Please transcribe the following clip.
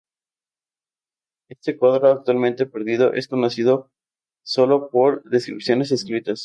Este cuadro, actualmente perdido, es conocido solo por descripciones escritas.